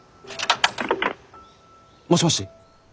もしもし？